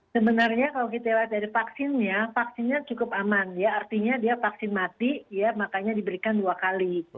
sebenarnya kalau kita lihat dari vaksinnya vaksinnya cukup aman ya artinya dia vaksin mati ya makanya diberikan dua kali